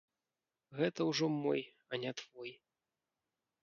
Гэта ўжо мой, а не твой.